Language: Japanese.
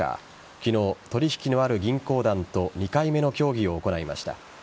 昨日、取引のある銀行団と２回目の協議を行いました。